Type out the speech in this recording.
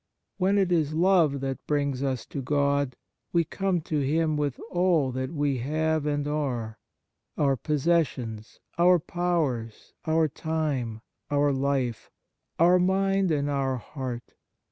When it is love that brings us to God, we come to Him with all that we have and are: our posses sions, our powers, our time, our life, our mind and our heart.